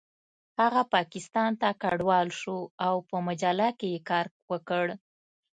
هغه پاکستان ته کډوال شو او په مجله کې یې کار وکړ